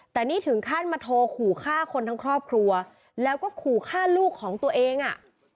แต่นี่ถึงขั้นมาโทรขู่ฆ่าคนทั้งครอบครัวแล้วก็ขู่ฆ่าลูกของตัวเองอ่ะ